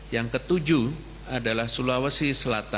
yang ketujuh adalah sulawesi selatan